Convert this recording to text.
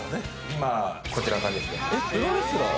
今こちらがですねえっプロレスラー？